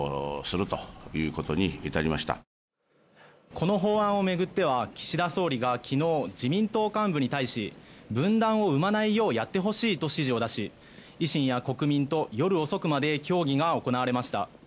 この法案を巡っては岸田総理が昨日、自民党幹部に対し分断を生まないようやってほしいと指示を出し維新や国民と夜遅くまで協議が行われました。